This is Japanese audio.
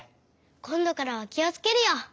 こんどからはきをつけるよ！